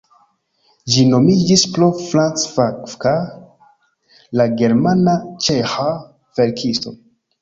Ĝi nomiĝis pro Franz Kafka, la germana-ĉeĥa verkisto.